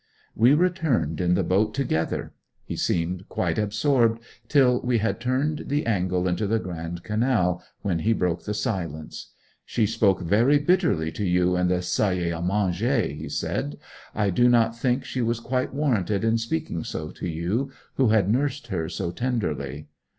We returned in the boat together. He seemed quite absorbed till we had turned the angle into the Grand Canal, when he broke the silence. 'She spoke very bitterly to you in the salle a manger,' he said. 'I do not think she was quite warranted in speaking so to you, who had nursed her so tenderly.'